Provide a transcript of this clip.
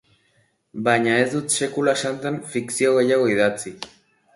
Baina ez dut sekula santan fikzio gehiago idatzi.